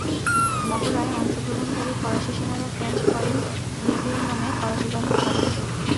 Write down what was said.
মহড়ায় অংশগ্রহণকারী ফরাসি সেনারা ফ্রেঞ্চ ফরেন লিজিওন নামে ফরাসি বাহিনীর সদস্য।